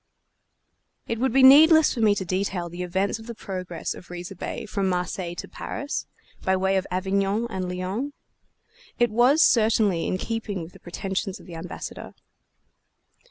It would be needless for me to detail the events of the progress of Riza Bey from Marseilles to Paris, by way of Avignon and Lyons. It was certainly in keeping with the pretensions of the Ambassador.